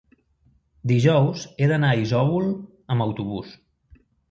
dijous he d'anar a Isòvol amb autobús.